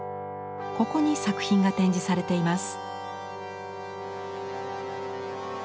ここに作品が展示されています。